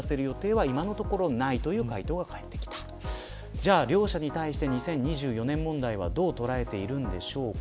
じゃあ両社に対して２０２４年問題はどう捉えているんでしょうか。